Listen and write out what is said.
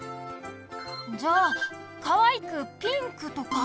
じゃあかわいくピンクとか？